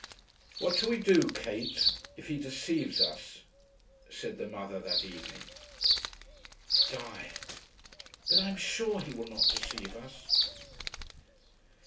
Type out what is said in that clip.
"What shall we do, Kate, if he deceives us?" said the mother that evening. "Die. But I am sure he will not deceive us."